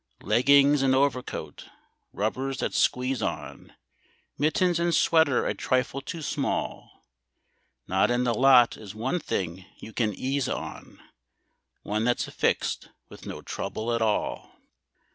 Leggings and overcoat, rubbers that squeeze on, Mittens and sweater a trifle too small; Not in the lot is one thing you can ease on, One that's affixed with no trouble at all.